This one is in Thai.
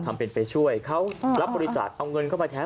ทำเป็นไปช่วยเขารับบริจาคเอาเงินเข้าไปแท้